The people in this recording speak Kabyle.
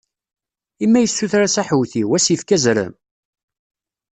I ma yessuter-as aḥutiw, ad s-ifk azrem?